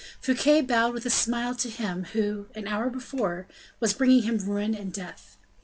Fouquet bowed with a smile to him who, an hour before, was bringing him ruin and death.